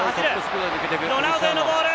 ロナウドへのボール！